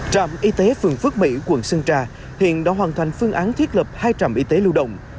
trạm y tế phường phước mỹ quận sơn trà hiện đã hoàn thành phương án thiết lập hai trạm y tế lưu động